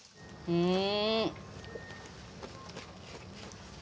うん。